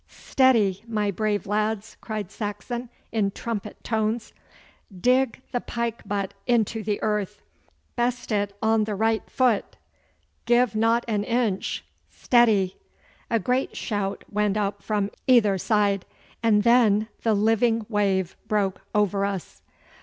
'Steady, my brave lads,' cried Saxon, in trumpet tones. 'Dig the pike butt into the earth! Best it on the right foot! Give not an inch! Steady!' A great shout went up from either side, and then the living wave broke over us.